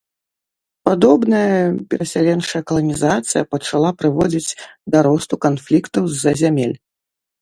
Падобная перасяленчая каланізацыя пачала прыводзіць да росту канфліктаў з-за зямель.